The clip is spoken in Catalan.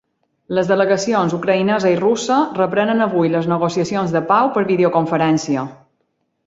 Les delegacions ucraïnesa i russa reprenen avui les negociacions de pau per videoconferència.